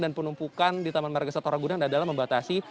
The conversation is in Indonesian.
dan penumpukan di taman marga satora gunang adalah membatasi